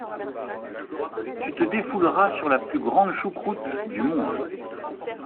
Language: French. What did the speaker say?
Tu te défouleras sur la plus grande choucroute du monde.